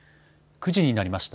９時になりました。